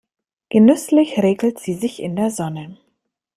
Genüsslich räkelt sie sich in der Sonne.